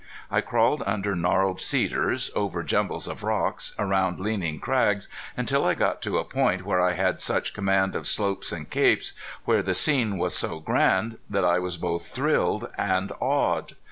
I crawled under gnarled cedars, over jumbles of rock, around leaning crags, until I got out to a point where I had such command of slopes and capes, where the scene was so grand that I was both thrilled and awed.